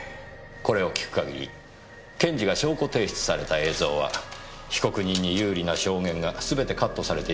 これを聞く限り検事が証拠提出された映像は被告人に有利な証言がすべてカットされていますねぇ。